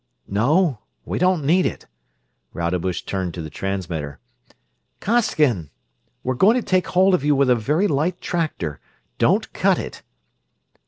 "No, we don't need it." Rodebush turned to the transmitter. "Costigan! We are going to take hold of you with a very light tractor. Don't cut it!"